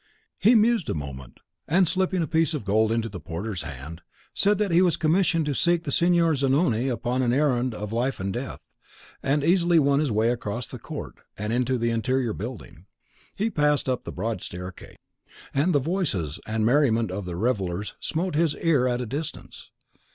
He mused a moment, and, slipping a piece of gold into the porter's hand, said that he was commissioned to seek the Signor Zanoni upon an errand of life and death, and easily won his way across the court, and into the interior building. He passed up the broad staircase, and the voices and merriment of the revellers smote his ear at a distance.